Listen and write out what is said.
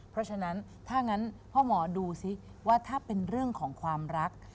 เพราะฉะนั้นถ้างั้นพ่อหมอดูซิว่าถ้าเป็นเรื่องของความรัก